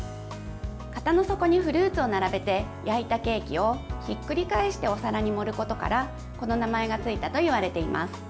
型の底にフルーツを並べて焼いたケーキをひっくり返してお皿に盛ることからこの名前がついたといわれています。